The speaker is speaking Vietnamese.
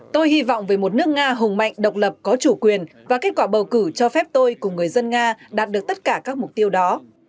tôi hy vọng về một nước nga hùng mạnh độc lập có chủ quyền và kết quả bầu cử cho phép tôi cùng người dân nga đạt được tất cả các mục tiêu đó